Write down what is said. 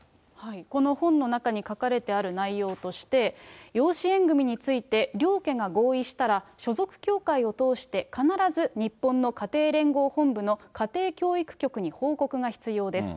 この本の中に書かれてある内容として、養子縁組について、両家が合意したら、所属教会を通して必ず日本の家庭連合本部の家庭教育局に報告が必要です。